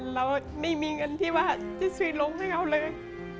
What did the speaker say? เราไม่มีเงินที่ว่าจะซื้อลงให้เขาเลย